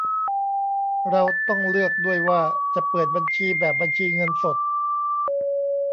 เราต้องเลือกด้วยว่าจะเปิดบัญชีแบบบัญชีเงินสด